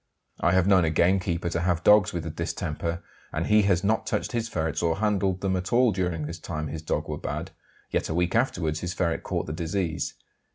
I have known a gamekeeper to have dogs with the distemper, and he has not touched his ferrets or handled them at all during the time his dogs were bad, yet a week afterwards his ferrets caught the disease.